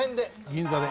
銀座で。